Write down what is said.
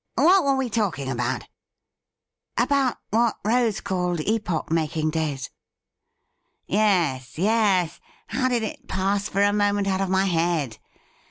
What were we talking about ?'' About what Rose called epoch making days.' ' Yes, yes — ^how did it pass for a moment out of my head